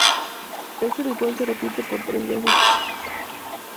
Este ritual se repite por tres veces.